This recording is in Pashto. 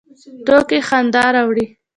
ټوکې خندا راوړي